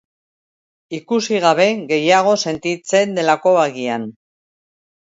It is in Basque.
Ikusi gabe gehiago sentitzen delako, agian.